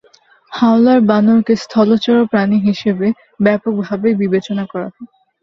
Howler বানরকে স্থলচর প্রাণী হিসেবে ব্যাপকভাবে বিবেচনা করা হয়।